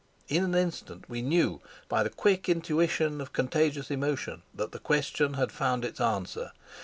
In an instant we knew, by the quick intuition of contagious emotion, that the question had found its answer.